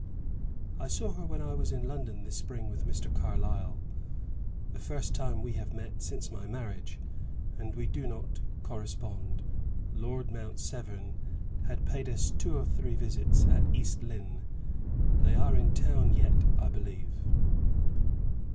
"I saw her when I was in London this spring with Mr. Carlyle. The first time we have met since my marriage; and we do not correspond. Lord Mount Severn had paid us two or three visits at East Lynne. They are in town yet, I believe."